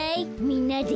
みんなで。